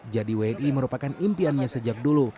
wni merupakan impiannya sejak dulu